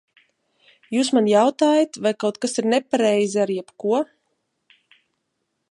Jūs man jautājat, vai kaut kas ir nepareizi ar jebko?